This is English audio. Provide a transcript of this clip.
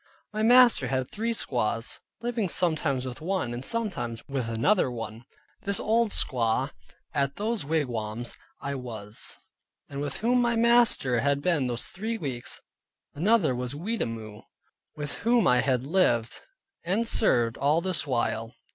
My master had three squaws, living sometimes with one, and sometimes with another one, this old squaw, at whose wigwam I was, and with whom my master had been those three weeks. Another was Wattimore [Weetamoo] with whom I had lived and served all this while.